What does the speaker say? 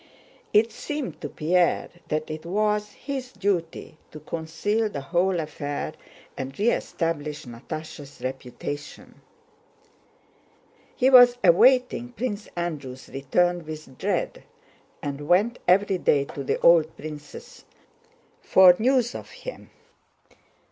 It seemed to Pierre that it was his duty to conceal the whole affair and re establish Natásha's reputation. He was awaiting Prince Andrew's return with dread and went every day to the old prince's for news of him.